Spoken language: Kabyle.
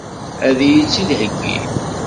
Ad iyi-tt-id-heggin?